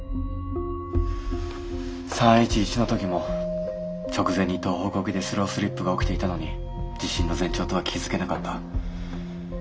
「３．１１の時も直前に東北沖でスロースリップが起きていたのに地震の前兆とは気付けなかった」。